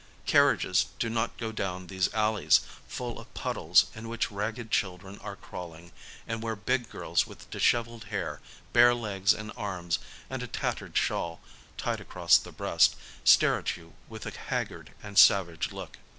Carriages do not go down these alleys full of puddles in which ragged children are crawling, and where big girls with dishevelled hair, bare legs and arms, and a tattered shawl tied across the breast, stare at you with a haggard and savage look.